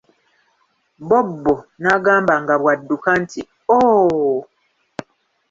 Bobbo n'agamba nga bw'adduka nti Ooo!